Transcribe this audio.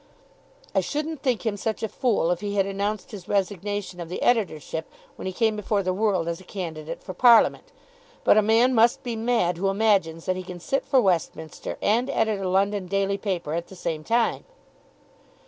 "I shouldn't think him such a fool if he had announced his resignation of the editorship when he came before the world as a candidate for parliament. But a man must be mad who imagines that he can sit for Westminster and edit a London daily paper at the same time."